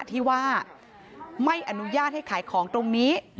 ที่ว่าไม่อนุญาตให้ขายของตรงนี้